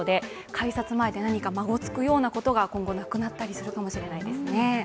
改札前でまごつくようなことが今後なくなったりするかもしれないですね。